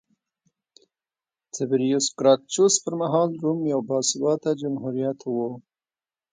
تیبریوس ګراکچوس پرمهال روم یو باثباته جمهوریت و